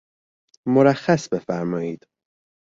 مرخص بفرمائید!